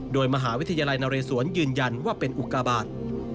โดยมหาวิทยาลัยนเรศวรยืนยันว่าเป็นอุกาบาท